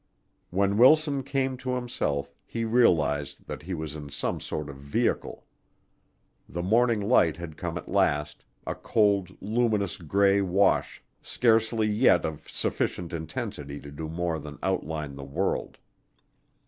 When Wilson came to himself he realized that he was in some sort of vehicle. The morning light had come at last a cold, luminous gray wash scarcely yet of sufficient intensity to do more than outline the world.